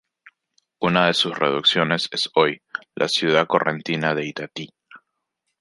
Una de sus reducciones es hoy la ciudad correntina de Itatí.